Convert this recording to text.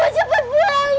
ibu cepet pulang ya ibu